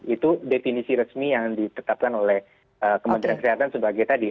itu definisi resmi yang ditetapkan oleh kementerian kesehatan sebagai tadi